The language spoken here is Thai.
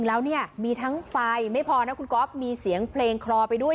เท่านี้ไม่พอนะคุณกบนมีเสียงเพลงคลอไปด้วย